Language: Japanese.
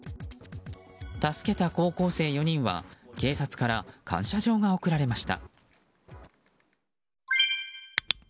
助けた高校生４人には警察から感謝状が贈られました。